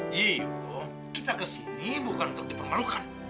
jiho kita kesini bukan untuk dipermalukan